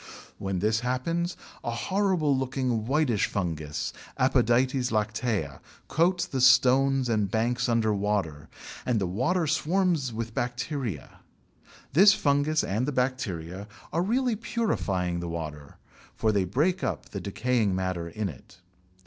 When this happens a horrible looking whitish fungus (Apodytes lactea) coats the stones and banks under water and the water swarms with bacteria. This fungus and the bacteria are really purifying the water, for they break up the decaying matter in it.